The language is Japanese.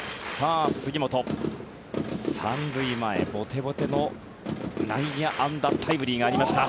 杉本、３塁前ボテボテの内野安打タイムリーがありました。